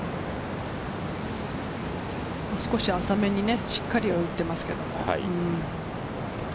少し浅めに、しっかりは打っていますけれど。